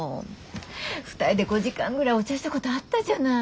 ２人で５時間ぐらいお茶したことあったじゃない。